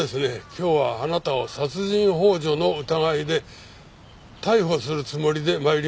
今日はあなたを殺人幇助の疑いで逮捕するつもりで参りました。